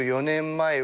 ３４年前！？